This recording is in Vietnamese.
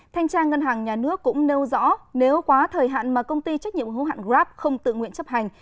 thanh tra ngân hàng nhà nước cũng nêu rõ nếu quá thời hạn mà công ty trách nhiệm hữu hạn grab không tự nguyện chấp hành